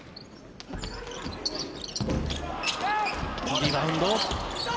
リバウンド。